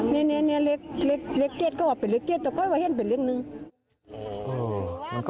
นี่เลขเกียรติก็ว่าเป็นเลขเกียรติ